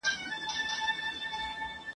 پرون د جنوري پر یوولسمه !.